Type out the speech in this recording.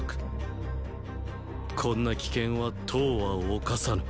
こんな危険は騰は冒さぬ。